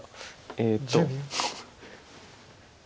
えっと。